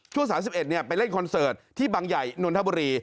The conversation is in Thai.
ช่วง๓๑ไปเล่นคอนเสิร์ตที่บังใหญ่นนทบุรี